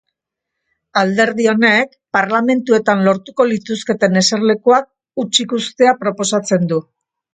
Alderdi honek parlamentuetan lortuko lituzketen eserlekuak hutsik uztea proposatzen du.